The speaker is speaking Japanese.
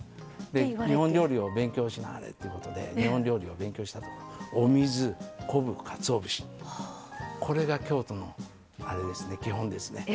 日本料理を勉強しなはれっていうことで日本料理を勉強したときにお水、昆布、かつお節これが京都の基本ですね。